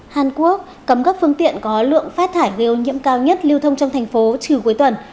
hàn quốc cấm các phương tiện có lượng phát thải gây ô nhiễm cao nhất lưu thông trong thành phố trừ cuối tuần